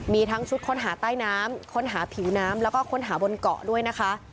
มีทั้งชุดค้นหาใต้น้ำค้นหาผิวน้ำแล้วก็ค้นหาบนเกาะด้วยนะคะ